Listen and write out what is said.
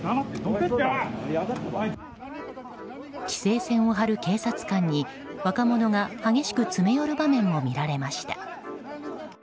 規制線を張る警察官に若者が激しく詰め寄る場面も見られました。